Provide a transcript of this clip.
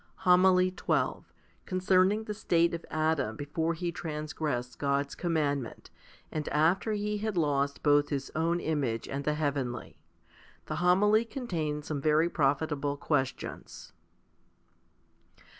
HOMILY XII Concerning the state of Adam before he transgressed God's commandment, and after he had lost both his own image and the heavenly. The Homily contains some very profitable questions.